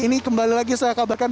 ini kembali lagi saya kabarkan